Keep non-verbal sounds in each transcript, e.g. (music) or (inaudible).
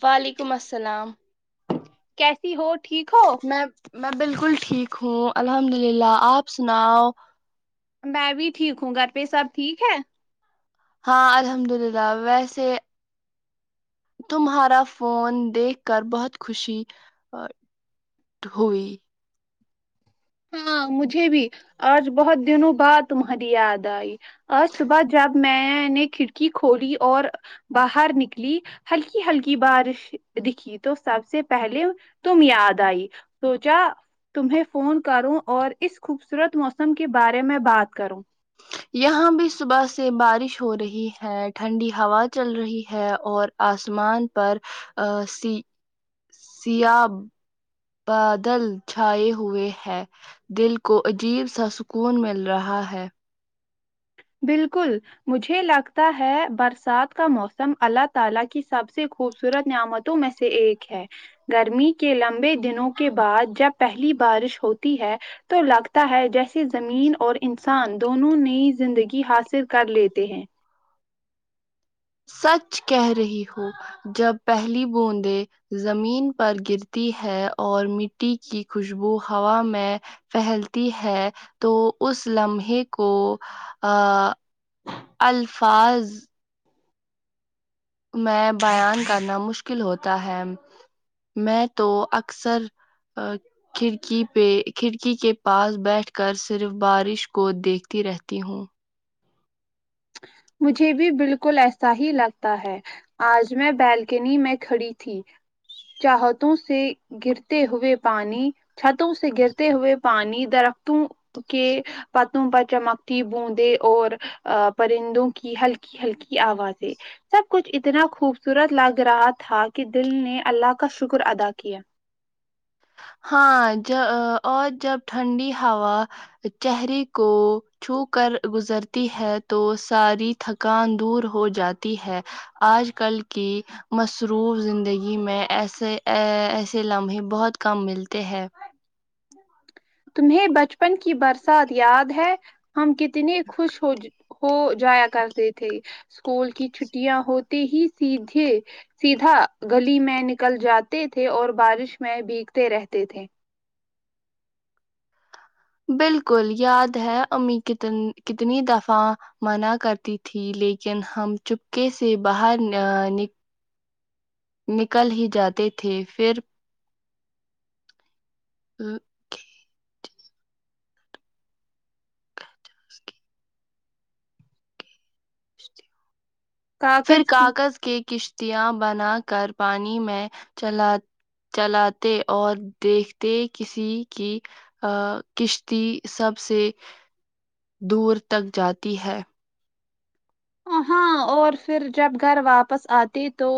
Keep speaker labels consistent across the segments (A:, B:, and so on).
A: وعلیکم السلام
B: کیسی ہو ٹھیک ہو
A: میں میں بالکل ٹھیک ہوں الحمد للہ آپ سناؤ
B: میں بھی ٹھیک ہوں گھر پہ سب ٹھیک ہے
A: ہاں الحمد للہ ویسے تمہارا فون دیکھ کر بہت خوشی ہوئی
B: ہاں مجھے بھی آج بہت دنوں بعد تمہاری یاد آئی آج صبح جب میں نے کھڑکی کھولی اور باہر نکلی ہلکی ہلکی بارش دکھی تو سب سے پہلے تم یاد آئی سوچا تمہیں فون کروں اور اس خوبصورت موسم کے بارے میں بات کروں
A: یہاں بھی صبح سے بارش ہو رہی ہے ٹھنڈی ہوا چل رہی ہے اور آسمان پر س سیا بادل چھائے ہوئے ہے دل کو عجیب سا سکون مل رہا ہے
B: بالکل مجھے لگتا ہے برسات کا موسم اللہ تعالی کی سب سے خوبصورت نعمت تو میں سے ایک ہے گرمی کے لمبے دنوں کے بعد جب پہلی بارش ہوتی ہے تو لگتا ہے جیسے زمین اور انسان دونوں نئی زندگی کی حاصل کر لیتے ہیں
A: سچ کہہ رہی ہو جب پہلی بوندیں زمین پر گرتی ہے اور مٹی کی خوشبو ہوا میں پھیلتی ہے تو اس لمحے کو ا الفاظ میں بیان کرنا مشکل ہوتا ہے میں تو اکثر اچھا کھڑکی پہ کھڑکی کے پاس بیٹھ کر صرف بارش کو دیکھتی رہتی ہوں
B: مجھے بھی بالکل ایسا ہی لگتا ہے آج میں بالکنی میں کھڑی تھی چاہتوں سے گرتے ہوئے پانی چھتوں سے گرتے ہوئے پانی درختوں کے پتوں پر چمکتی بود اور پرندوں کی ہلکی ہلکی آوازیں سب کچھ اتنا خوبصورت لگ رہا تھا کی دل نے اللہ کا شکر ادا کیا
A: ہاں جا آ اور جب ٹھنڈی ہوا چہریے کو چھو کر گزرتی ہے تو ساری تھکان دور ہو جاتی ہے آج کل کی مصروف زندگی میں ایسے ایسے لمحے بہت کم ملتے ہیں
B: تمہیں بچپن کی برسات یاد ہے ہم کتنی خوش ہو ہو جایا کرتے تھے اسکول کی چھٹیاں ہوتے ہی سیدھے سیدھا گلی میں نکل جاتے تھے اور بارش میں بیھگتے رہتے تھے
A: بالکل یاد ہے امی کتن کتنی دفہ منع کرتی تھی لیکن ہم چپکے سے باہر ن نک نکل ہی جاتے تھے فیر (unintelligible) جب اس کی فیر کاغذ کے کش تیاں بنا کر پانی میں چلات چلاتے اور دیکھتے کسی کی آ کشتی سب سے دور تک جاتی ہے
B: ہاں اور فیر جب گھر واپس آتے تو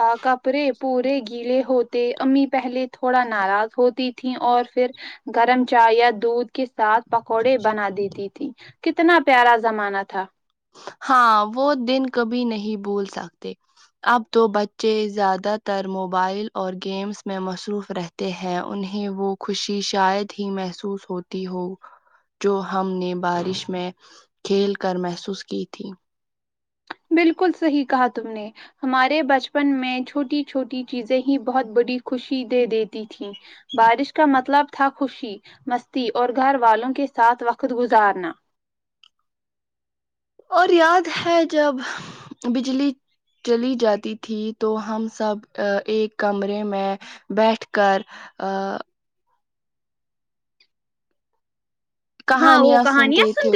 B: آ کپڑے پورے گیلے ہوتے امی پہلے تھوڑا ناراض ہوتی تھی اور فیر گرم چائے یا دودھ کے ساتھ پکوڑے بنا دیتی تھی کتنا پیارا زمانہ تھا
A: ہاں وہ دن کبھی نہیں بھول سکتے اب تو بچے زیادہ تر موبائل اور گیمس میں مصروف رہتے ہیں انہیں وہ خوشی شاید ہی محسوس ہوتی ہو جو ہم نے بارش میں کھیل کر محسوس کی تھی
B: بالکل صحیح کہا تم نے ہمارے بچپن میں چھوٹی چھوٹی چیزیں ہی بہت بڑی خوشی دے دیتی تھی بارش کا مطلب تھا خوشی مستی اور گھر والوں کے ساتھ وقت گزارنا
A: اور یاد ہے جب بجلی چلی جاتی تھی تو ہم سب ایک کمرے میں بیٹھ کر آ
B: ہاں وہ
A: کہانیاں سنتے
B: کہانیاں
A: تھے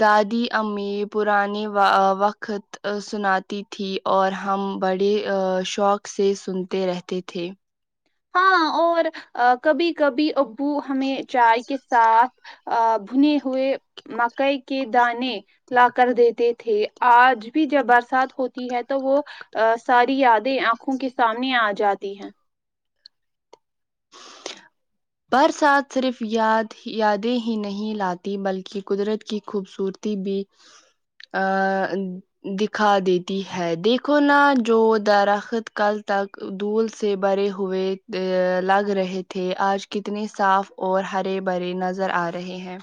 A: دادی امی پرانی وا وقت سناتی تھی اور ہم بڑے آ شوق سے سنتے رہتے تھے
B: ہاں اور کبھی کبھی ابو ہمیں چائے کے ساتھ آ بھنے ہوئے مکئی کے دانے لا کر دیتے تھے آج بھی جب برسات ہوتی ہے تو وہ آ ساری یادیں آنکھوں کے سامنے آ جاتی ہیں
A: برسات صرف یاد یادیں ہی نہیں لاتی بلکی قدرت کی خوبصورتی تی بی آ دکھا دیتی ہے دیکھو نا جو درخت کل تک دھول سے بھرے ہوئے لگ رہے تھے آج کتنی صاف اور ہرے بھرے نظر آرہے ہیں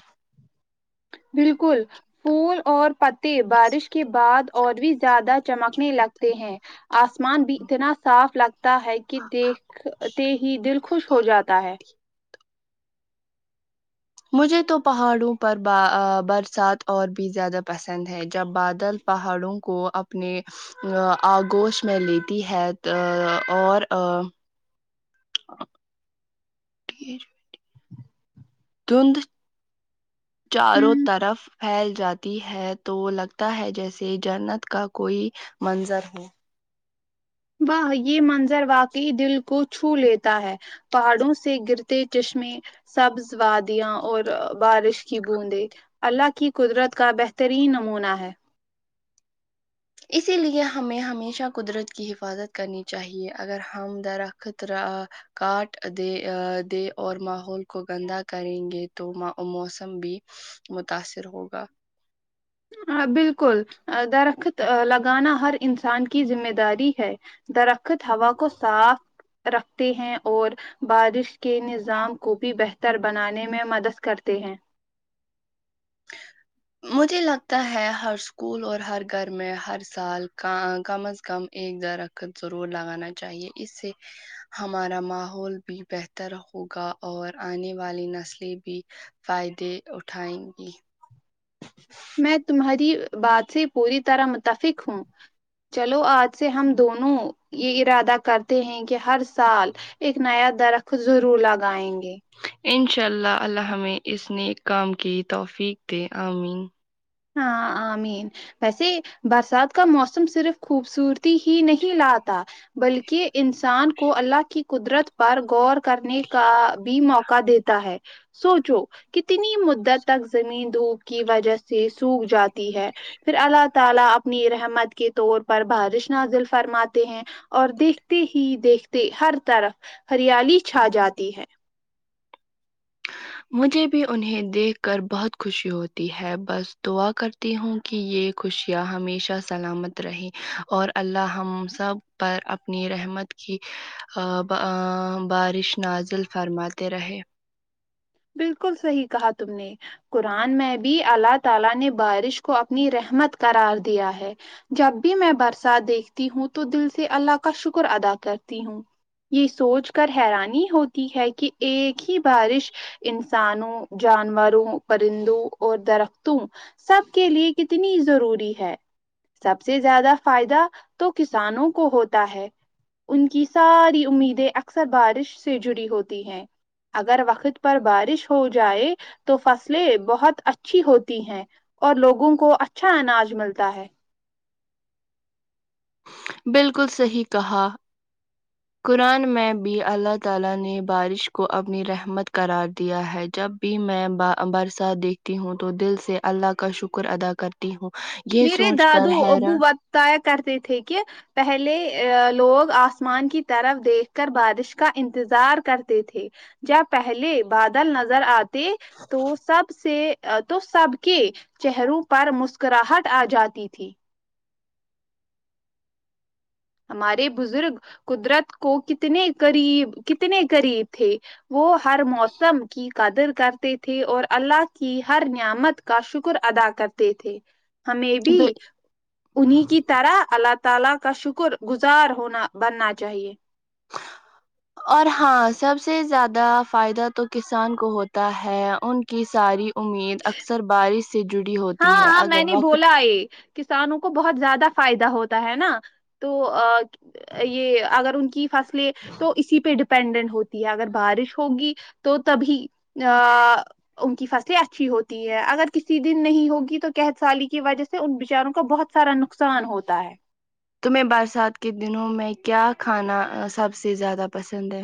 B: بالکل پھول اور پتے بارش کے بعد اور بھی زیادہ چمکنے لگتے ہیں آسمان بھی اتنا صاف لگتا ہے کی دیکھ تے ہی دل خوش ہو جاتا ہے
A: مجھے تو پہاڑوں پر ب برسات اور بھی زیادہ پسند ہے جب بادل پہاڑوں کو اپنے آگوش میں لیتی ہے اور آ (unintelligible) دند چاروں
B: ہوں
A: طرف پھیل جاتی ہے تو لگتا ہے جیسے جنت کا کوئی منظر ہو
B: واہ یہ منظر واقع دل کو چھو لیتا ہے پہاڑوں سے گرتے چشمے سبز وادیاں اور بارش کی بوندیں اللہ کی قدرت کا بہترین نمونہ ہے
A: اسی لیے ہمیں ہمیشہ قدرت کی حفاظت کرنی چاہیے اگر ہم درخت کاٹ دے دے اور ماحول کو گندا کریں گے تو موسم بھی متاثر ہوگا
B: بالکل درخت لگانا ہر انسان کی ذمہ داری ہے درخت ہوا کو صاف رکھتے ہیں اور بارش کے نظام کو بھی بہتر بنانے میں مدد کرتے ہیں
A: مجھے لگتا ہے ہر اسکول اور ہر گھر میں ہر سال کم از کم ایک درخت ضرور لگانا چاہیے اس سے ہمارا ماحول بھی بہتر ہوگا اور آنے والی نسلیں بھی فائدے اٹھائیں گی
B: میں تمہاری بات سے پوری طرح متفق ہوں چلو آج سے ہم دونوں یہ ارادہ کرتے ہیں کہ ہر سال ایک نیا درخت ضرور لگائیں گے
A: انشاء اللہ اللہ ہم اس ن نیک کام کی توفیق دے آمین
B: ہاں آ مین ویسے برسات کا موسم صرف خوبصورتی ہی نہیں لاتا بلکہ انسان کو اللہ کی قدرت پر غور کرنے کا بھی موقع دیتا ہے سوچو کتنی مدت تک زمین دھوپ کی وجہ سے سوکھ جاتی ہے پھر اللہ تعالی اپنی رحمت کے طور پر بارش نازل فرماتے ہیں اور دیکھتے ہی دیکھتے ہر طرف ہریالی چھا جاتی ہے
A: مجھے بھی انہیں دیکھ کر بہت خوشی ہوتی ہے بس دعا کرتی ہوں کہ یہ خوشیاں ہمیشہ سلامت رہے اور اللہ ہم سب پر اپنی رحمت کی بارش نازل فرماتے رہے
B: بالکل صحیح کہا تم نے قرآن میں بھی اللہ تعالی نے بارش کو اپنی رحمت قرار دیا ہے جب بھی میں برسات دیکھتی ہوں تو دل سے اللہ کا شکر ادا کرتی ہوں یہ سوچ کر حیرانی ہوتی ہے کہ ایک ہی بارش انسانوں جانوروں پرندوں اور درختوں سب کے لیے کتنی ضروری ہے سب سے زیادہ فائدہ تو کسانوں کو ہوتا ہے ان کی ساری امیدیں اکثر بارش سے جڑی ہوتی ہیں اگر وقت پر بارش ہو جائے تو فصلیں بہت اچھی ہوتی ہیں اور لوگوں کو اچھا اناج ملتا ہے
A: بالکل صحیح کہا قرآن میں بھی اللہ تعالی نے بارش کو اپنی رحمت قرار دیا ہے جب بھی میں با برسات دیکھتی ہوں تو دل سے اللہ کا شکر ادا کرتی ہوں یہ
B: میرے
A: سوچ کر
B: دادو ابو
A: حیران
B: بتتایا کرتے تھے کہ پہلے لوگ آسمان کی طرف دیکھ کر بارش کا انتظار کرتے تھے جب پہلے بادل نظر آتے تو سب سے تو سب کے چہروں پر مسکراہٹ آ جاتی تھی ہمارے بزرگ قدرت کو کتنے قریب کتنے قریب تھے وہ ہر موسم کی قدر کرتے تھے اور اللہ کی ہر نعمت کا شکر ادا کرتے تھے ہمیں بھی
A: بل
B: انہیں کی طرح اللہ تعالی کا شکر گزار ہونا بننا چاہیے
A: اور ہاں سب سے زیادہ فائدہ تو کسان کو ہوتا ہے ان کی ساری امید اکثر بارش سے جڑی ہوتی ہے اگر وقت
B: آی کسانوں کو بہت زیادہ فائدہ ہوتا ہے نا تو یہ اگر ان کی فصلیں تو اسی پہ ڈپ پینڈنٹ ہوتی ہے اگر بارش ہوگی تو تبھی آا ان کی فصلیں اچھی ہوتی ہے اگر کسی دن نہیں ہوگی تو قحط سالی کی وجہ سے ان بچاروں کا بہت سارا نقصان ہوتا ہے
A: تمہیں برسات کے دنوں میں کیا کھانا سب سے زیادہ پسند ہے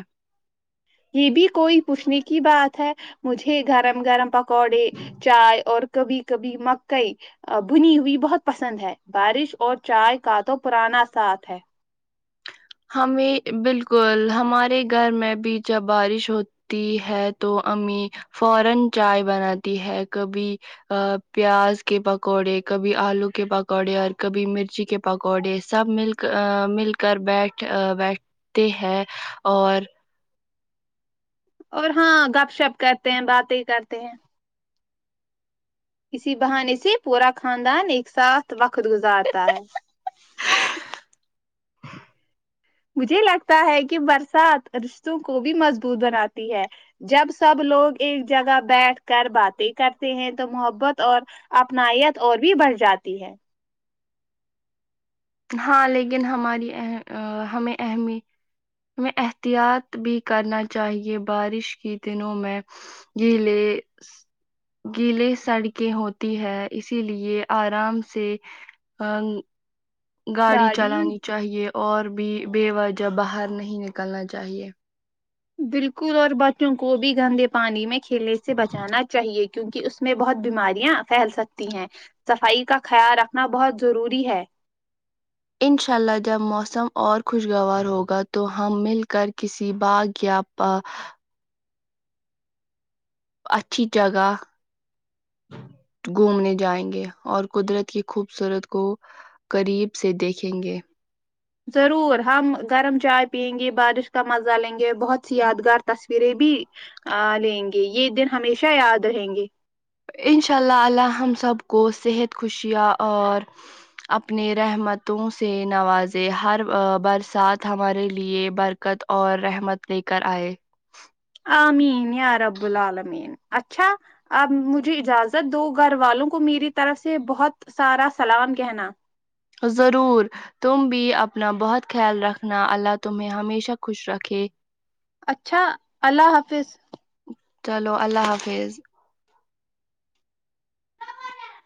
B: یہ بھی کوئی پوچھنے کی بات ہے مجھے گرم گرم پکوڑے چائے اور کبھی کبھی مکئی بھنی ہوئی بہت پسند ہے بارش اور چائے کا تو پرانا ساتھ ہے
A: ہمیں بالکل ہمارے گھر میں بھی جب بارش ہوت ی ہے تو امی فورن چائے بناتی ہے کبھی پیاز کے پکوڑے کبھی آلو کے پکوڑے اور کبھی مرچی کے پکوڑے سب مل آں مل کر بیٹھ بیٹھتے ہیں اور
B: اور ہاں گپ شپ کرتے ہیں باتیں کرتے ہیں اسی بہانے سے پورا خاندان ایک ساتھ وقت گزارتا ہے مجھے لگتا ہے کہ برسات رشتوں کو بھی مضبوط بناتی ہے جب سب لوگ ایک جگہ بیٹھ کر باتیں کرتے ہیں تو محبت اور اپنائیت اور بھی بڑھ جاتی ہے
A: ہاں لیکن ہماری اہم ہمیں اہمی میں احتیاط بھی کرنا چاہیے بارش کی دنوں میں گیلے گیلے سڑکیں ہوتی ہے اسی لیے آرام سے آن گاڑی چلانی چاہیے اور بھی بے وجہ باہر نہیں نکلنا چاہیے
B: بالکل اور بچوں کو بھی گندے پانی میں کھیلنے سے بچانا چاہیے کیونکہ اس میں بہت بیماریاں پھیل سکتی ہیں صفائی کا خیال رکھنا بہت ضروری ہے
A: انشاء اللہ جب موسم اور خوشگوار ہوگا تو ہم مل کر کسی باغ یا پا اچھی جگہ گھومنے جائیں گے اور قدرت کی خوبصورت کو قریب سے دیکھیں گے
B: ضرور ہم گرم چائے پیئیں گے بارش کا مزہ لیں گے بہت سی یادگار تصویریں بھی آ لیں گے یہ دن ہمیشہ یاد رہیں گے
A: انشاء اللہ اللہ ہم سب کو صحت خوشیاں اور اپنے رحمتوں سے نوازے ہر برسات ہمارے لیے بر کت اور رحمت لے کر آئے
B: آمین یا رب العالمین اچھا اب مجھے اجازت دو گھر والوں کو میری طرف سے بہت سارا سلام کہنا
A: ضرور تم بھی اپنا بہت خیال رکھنا اللہ تمہیں ہمیشہ خوش رکھے
B: اچھا اللہ حافظ
A: چلو اللہ حافظ